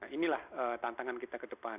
jadi ini adalah tantangan kita ke depan